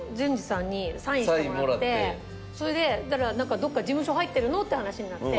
それでなんかどっか事務所入ってるの？って話になって。